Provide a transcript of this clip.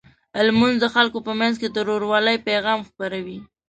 لمونځ د خلکو په منځ کې د ورورولۍ پیغام خپروي.